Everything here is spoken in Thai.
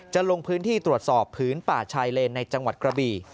ลงพื้นที่ตรวจสอบผืนป่าชายเลนในจังหวัดกระบี่